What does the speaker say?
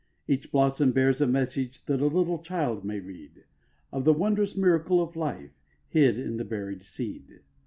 Each blossom bears a message That a little child may read, Of the wondrous miracle of life Hid in the buried seed.